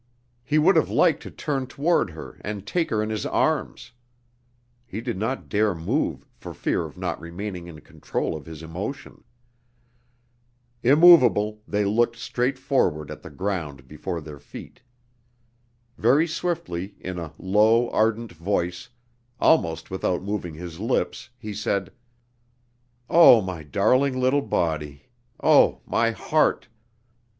He would have liked to turn toward her and take her in his arms. He did not dare move for fear of not remaining in control of his emotion. Immovable, they looked straight forward at the ground before their feet. Very swiftly, in a low ardent voice, almost without moving his lips, he said: "Oh, my darling little body! Oh, my heart!